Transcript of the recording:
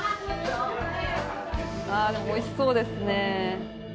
でもおいしそうですね。